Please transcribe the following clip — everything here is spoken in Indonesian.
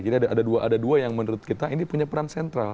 jadi ada dua yang menurut kita ini punya peran sentral